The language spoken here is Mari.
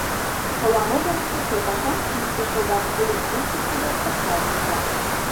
Шола могырышто кӧргашан писте шога, тудын укшыштыжо пычал кеча.